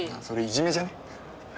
それいじめじゃね？